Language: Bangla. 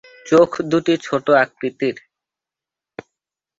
চোখ দুটি ছোট আকৃতির।